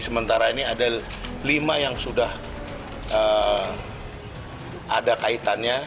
sementara ini ada lima yang sudah ada kaitannya